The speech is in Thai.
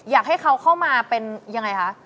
อยากให้เขาเข้ามาเป็นยังไงคะ